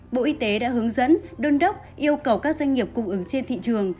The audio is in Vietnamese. bộ y tế đã hướng dẫn đôn đốc yêu cầu các doanh nghiệp cung ứng trên thị trường